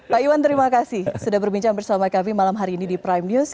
pak iwan terima kasih sudah berbincang bersama kami malam hari ini di prime news